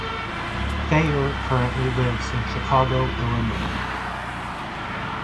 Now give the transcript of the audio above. Thayer currently lives in Chicago, Illinois.